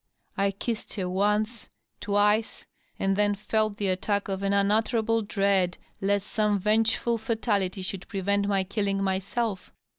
I kissed her once, twice, and then felt the attack of an unutterable dread lest some vengeful fatality should prevent my killing myself.